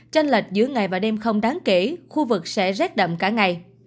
tranh lệch giữa ngày và đêm không đáng kể khu vực sẽ rét đậm cả ngày